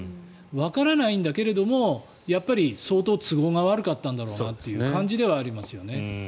わからないんだけれども相当都合が悪かったんだろうなという感じではありますよね。